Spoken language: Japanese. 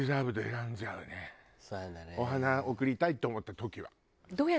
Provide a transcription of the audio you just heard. お花贈りたいって思った時は。